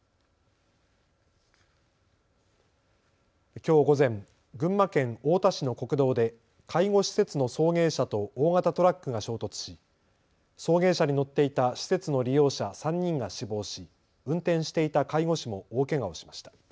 きょう午前、群馬県太田市の国道で介護施設の送迎車と大型トラックが衝突し送迎車に乗っていた施設の利用者３人が死亡し、運転していた介護士も大けがをしました。